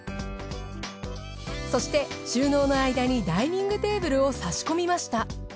そして収納の間にダイニングテーブルを差し込みました。